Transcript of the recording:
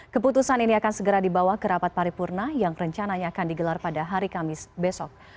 keputusan ini akan segera dibawa ke rapat paripurna yang rencananya akan digelar pada hari kamis besok